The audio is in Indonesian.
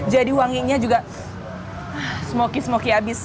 jadi wanginya juga smoky smoky abis